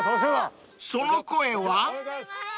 ［その声は？］